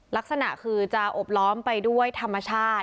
ลักษณะคือจะอบล้อมไปด้วยธรรมชาติ